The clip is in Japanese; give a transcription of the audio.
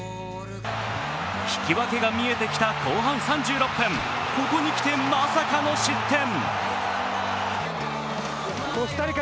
引き分けが見えてきた後半３６分、ここに来て、まさかの失点。